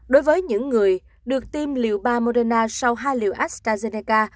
đối với những người được tiêm liệu ba moderna sau hai liều astrazeneca